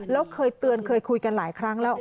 แล้วเคยเตือนเคยคุยกันหลายครั้งแล้ว